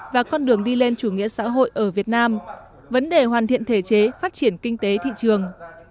và con đường đi lên chủ nghĩa xã hội ở việt nam vấn đề hoàn thiện thể chế phát triển kinh tế thị trường